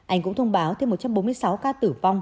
anh cũng thông báo thêm một trăm bốn mươi sáu ca tử vong